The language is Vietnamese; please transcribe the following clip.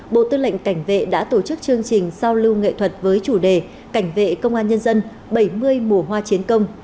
bộ tư lệnh cảnh vệ đã tổ chức chương trình giao lưu nghệ thuật với chủ đề cảnh vệ công an nhân dân bảy mươi mùa hoa chiến công